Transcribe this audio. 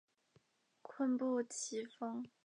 坤布崎峰